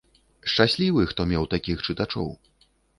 Шчаслівы, хто меў такіх чытачоў.